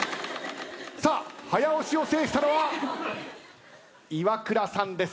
さあ早押しを制したのはイワクラさんです。